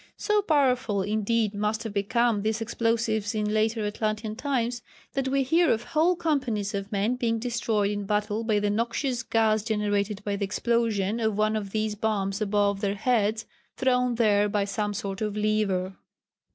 So powerful indeed must have become these explosives in later Atlantean times, that we hear of whole companies of men being destroyed in battle by the noxious gas generated by the explosion of one of these bombs above their heads, thrown there by some sort of lever.